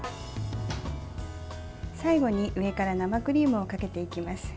最後に上から生クリームをかけていきます。